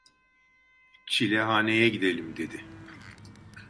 "Çilehaneye gidelim" dedi.